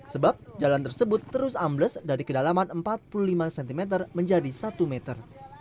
sebab jalan tersebut terus ambles dari kedalaman empat puluh lima cm menjadi satu meter